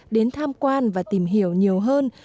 đến tham quan và tìm hiểu nhiều hơn